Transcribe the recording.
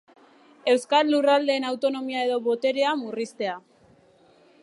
Euskal Lurraldeen autonomia edo boterea murriztea.